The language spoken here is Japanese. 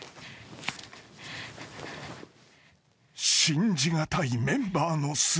［信じ難いメンバーの姿］